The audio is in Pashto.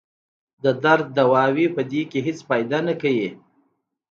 د درد دوايانې پۀ دې کښې هېڅ فائده نۀ کوي